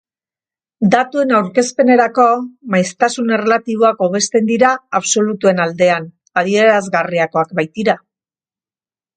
Datuen aurkezpenerako, maiztasun erlatiboak hobesten dira absolutuen aldean, adierazgarriagoak baitira.